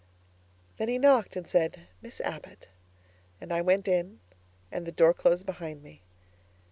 Then he knocked and said, 'Miss Abbott,' and I went in and the door closed behind me.